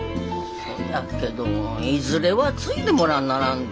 そじゃけどいずれは継いでもらわんならんで。